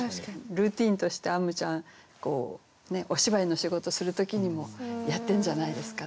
ルーティーンとしてあむちゃんお芝居の仕事する時にもやってるんじゃないですかね。